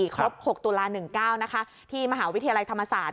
ครบ๖ตุลา๑๙ที่มหาวิทยาลัยธรรมศาสตร์